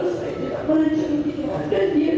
saya tidak akan mencintai dia